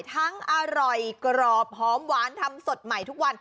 อร่อยกรอบหอมหวานทำสดใหม่ทุกวัน